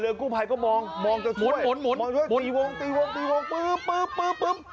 เรือกู้ไพรก็มองมองจะช่วยมองช่วยตีวงตีวงตีวงปึ๊บปึ๊บปึ๊บ